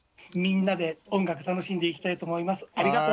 みんなで音楽楽しんでいきたいと思います。